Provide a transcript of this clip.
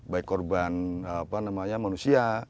baik korban manusia